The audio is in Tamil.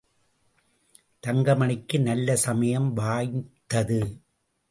தங்கமணிக்கு நல்ல சமயம் வாய்த்தது.